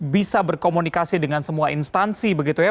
bisa berkomunikasi dengan semua instansi begitu ya